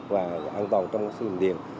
và an toàn trong xử lý điện